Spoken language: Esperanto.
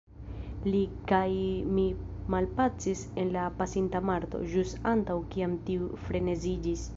Li kaj mi malpacis en la pasinta Marto, ĵus antaŭ kiam tiu freneziĝis.